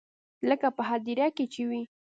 لکه په هديره کښې چې وي.